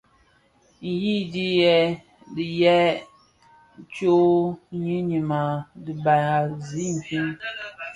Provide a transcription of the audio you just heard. Ndiñiyèn diiyèn tsög yiñim a dhiba zi infin.